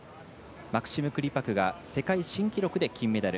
マクシム・クリパクが世界新記録で金メダル